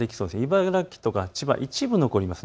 茨城とか千葉は一部残ります。